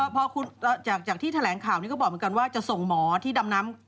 พอจากที่แถลงข่าวนี้ก็บอกเหมือนกันว่าจะส่งหมอที่ดำน้ำ